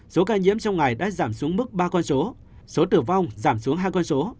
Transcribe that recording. số ca nhiễm trong ngày đã giảm xuống mức ba con số số tử vong giảm xuống hai con số